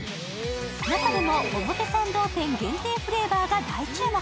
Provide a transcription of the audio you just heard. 中でも表参道店限定フレーバーが大注目。